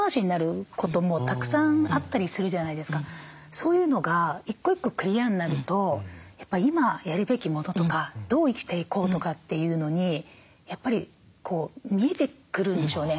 そういうのが１個１個クリアになるとやっぱり今やるべきものとかどう生きていこうとかっていうのにやっぱり見えてくるんでしょうね